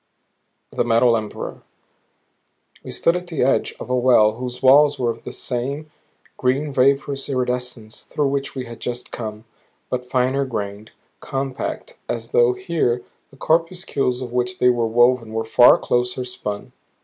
THE METAL EMPEROR We stood at the edge of a well whose walls were of that same green vaporous iridescence through which we had just come, but finer grained, compact; as though here the corpuscles of which they were woven were far closer spun.